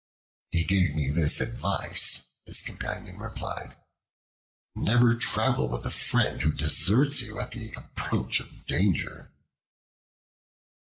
"He gave me this advice," his companion replied. "Never travel with a friend who deserts you at the approach of danger."